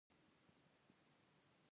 هغوی د اصلاح وس لرلو، خو نه یې غوښت.